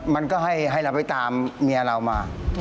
มันก็ให้เราไปตามเมียเรามา